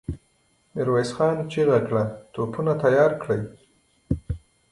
ميرويس خان چيغه کړه! توپونه تيار کړئ!